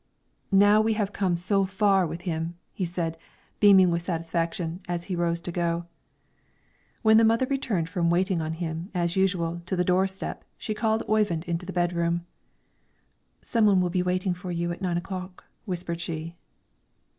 "Now we have come so far with him," said he, beaming with satisfaction as he rose to go. When the mother returned from waiting on him, as usual, to the door step, she called Oyvind into the bedroom. "Some one will be waiting for you at nine o'clock," whispered she.